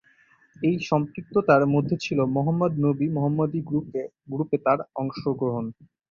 এই সম্পৃক্ততার মধ্যে ছিল মোহাম্মদ নবী মোহাম্মদী গ্রুপে তার অংশগ্রহণ।